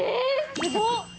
すごっ！